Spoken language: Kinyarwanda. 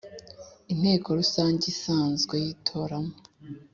Inteko Rusange Isanzwe yitoramo